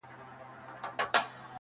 پښتو متلونه -